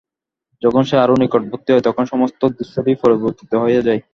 যখন সে আরও নিকটবর্তী হয়, তখন সমস্ত দৃশ্যটি পরিবর্তিত হইয়া যায়।